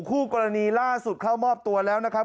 คู่กรณีล่าสุดเข้ามอบตัวแล้วนะครับ